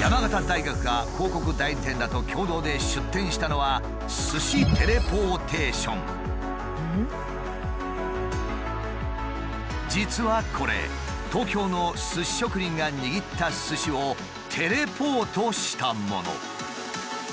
山形大学が広告代理店らと共同で出展したのは実はこれ東京のすし職人が握ったすしをテレポートしたもの。